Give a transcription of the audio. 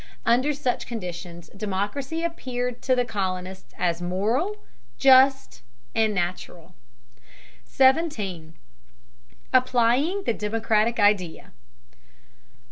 Under such conditions democracy appeared to the colonists as moral, just, and natural. 17. APPLYING THE DEMOCRATIC IDEA.